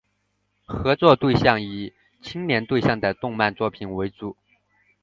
合作的对象以青年对象的动漫作品为主。